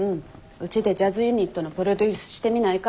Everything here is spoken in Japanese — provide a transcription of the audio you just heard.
うちでジャズユニットのプロデュースしてみないか？